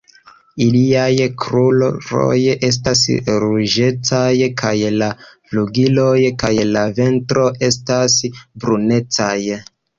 Iliaj kruroj estas ruĝecaj kaj la flugiloj kaj la ventro estas brunecaj.